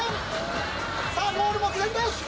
さあゴール目前です。